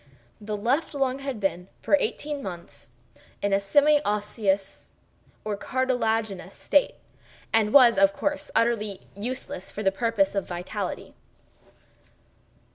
The left lung had been for eighteen months in a semi osseous or cartilaginous state, and was, of course, entirely useless for all purposes of vitality.